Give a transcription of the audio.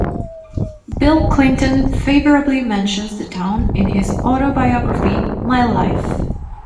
Bill Clinton favorably mentions the town in his autobiography, "My Life".